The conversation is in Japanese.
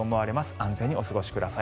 安全にお過ごしください。